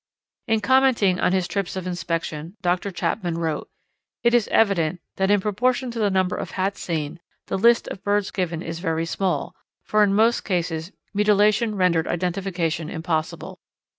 In commenting on his trips of inspection, Doctor Chapman wrote: "It is evident that in proportion to the number of hats seen, the list of birds given is very small, for in most cases mutilation rendered identification impossible.